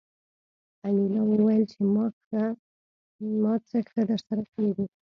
انیلا وویل چې ما څه ښه درسره کړي دي